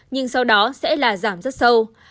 nhưng sau đó sẽ là giảm rất sâu